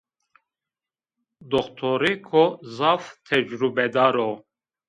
Doktorêko zaf tecrubedar o